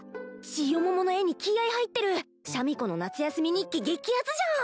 ちよももの絵に気合い入ってるシャミ子の夏休み日記激アツじゃん！